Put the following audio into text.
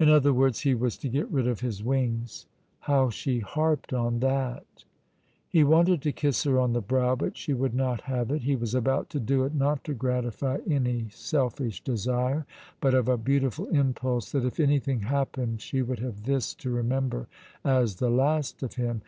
In other words, he was to get rid of his wings. How she harped on that! He wanted to kiss her on the brow, but she would not have it. He was about to do it, not to gratify any selfish desire, but of a beautiful impulse that if anything happened she would have this to remember as the last of him.